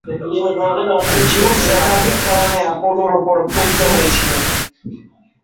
Zeus একাধিক কারণে অ্যাপোলোর উপর ক্রুদ্ধ হয়েছিলেন।